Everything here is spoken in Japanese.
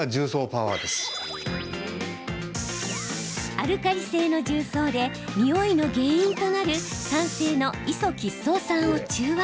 アルカリ性の重曹でにおいの原因となる酸性のイソ吉草酸を中和。